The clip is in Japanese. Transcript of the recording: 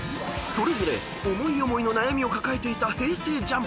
［それぞれ思い思いの悩みを抱えていたＨｅｙ！